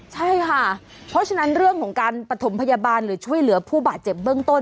ใช่ค่ะเพราะฉะนั้นเรื่องของการปฐมพยาบาลหรือช่วยเหลือผู้บาดเจ็บเบื้องต้น